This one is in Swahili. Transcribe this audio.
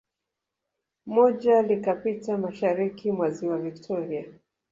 Moja likapita mashariki mwa Ziwa Victoria